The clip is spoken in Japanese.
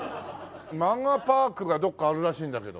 まんがぱーくがどこかあるらしいんだけど。